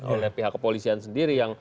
oleh pihak kepolisian sendiri